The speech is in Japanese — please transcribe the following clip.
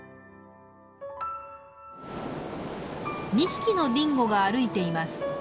２匹のディンゴが歩いています。